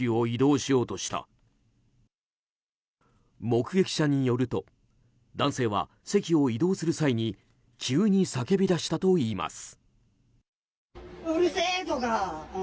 目撃者によると男性は席を移動する際に急に叫び出したといいます。